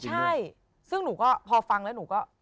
ใช่ซึ่งหนูก็พอฟังแล้วหนูก็